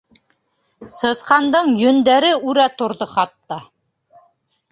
Сысҡандың йөндәре үрә торҙо хатта.